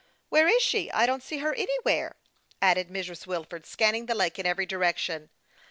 " Where is she ? I don't see her anywhere," added Mrs. Wilford, scanning the lake in every direction.